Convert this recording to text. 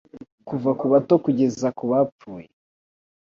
kuva ku bato kugeza ku bapfuye